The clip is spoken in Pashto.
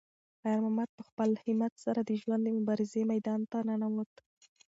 خیر محمد په خپل همت سره د ژوند د مبارزې میدان ته ننووت.